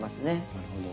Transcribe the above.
なるほど。